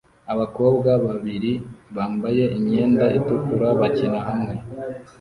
Abakobwa babiri bambaye imyenda itukura bakina hamwe